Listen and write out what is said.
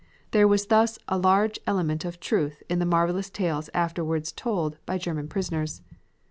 There was thus a large element of truth in the marvelous tales afterwards told by German prisoners.